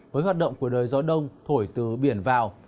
với hoạt động của đời gió đông thổi từ biển vào